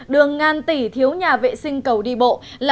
đường ngàn tỷ thiếu nhà vệ sinh cầu đi bộ